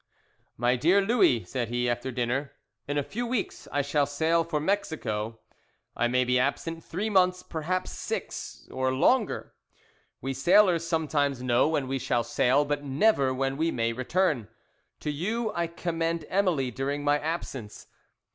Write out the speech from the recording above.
"'My dear Louis,' said he, after dinner. 'In a few weeks I shall sail for Mexico. I may be absent three months, perhaps six or longer. We sailors sometimes know when we shall sail, but never when we may return. To you, I commend Emily during my absence.